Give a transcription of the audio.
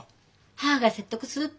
母が説得するって。